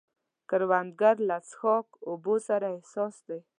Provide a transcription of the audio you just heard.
کروندګر له څښاک اوبو سره حساس دی